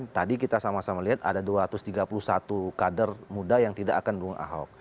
tadi kita sama sama lihat ada dua ratus tiga puluh satu kader muda yang tidak akan mendukung ahok